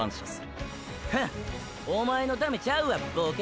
フンおまえのためちゃうわボケ。